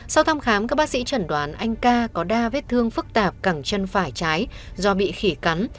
sau thăm khám các bác sĩ chẩn đoán anh ca có đa vết thương phức tạp cẳng chân phải trái do bị khỉ cắn